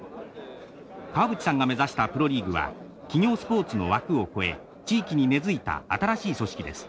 川淵さんが目指したプロリーグは企業スポーツの枠を超え地域に根づいた新しい組織です。